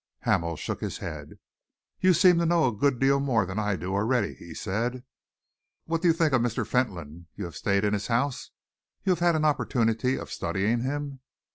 Hamel shook his head. "You seem to know a good deal more than I do, already," he said. "What do you think of Mr. Fentolin? You have stayed in his house. You have had an opportunity of studying him."